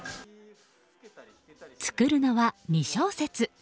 作るのは２小節。